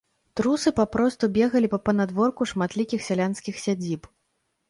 Трусы папросту бегалі па панадворку шматлікіх сялянскіх сядзіб.